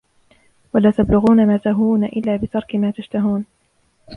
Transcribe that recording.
وَلَا تَبْلُغُونَ مَا تَهْوُونَ إلَّا بِتَرْكِ مَا تَشْتَهُونَ